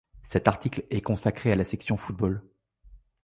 Cet article est consacré à la section football.